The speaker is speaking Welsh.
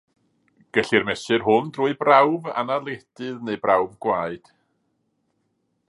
Gellir mesur hwn drwy brawf anadliedydd neu brawf gwaed.